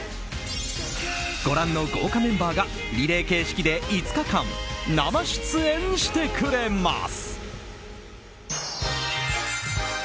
ご覧の豪華メンバーがリレー形式で５日間、生出演してくれます。